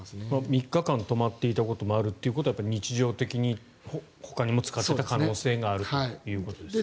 ３日間止まっていたこともあるということは日常的にほかにも使っていた可能性があるということですね。